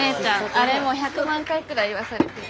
あれもう１００万回くらい言わされてる。